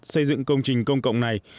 xây dựng công trình công cộng này